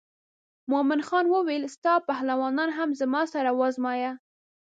مومن خان وویل ستا پهلوانان هم زما سره وازمایه.